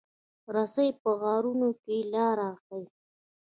رسۍ په غارونو کې لار ښيي.